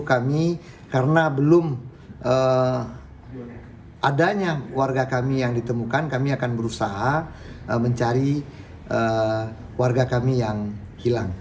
kami karena belum adanya warga kami yang ditemukan kami akan berusaha mencari warga kami yang hilang